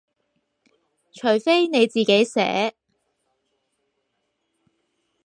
除非你自己寫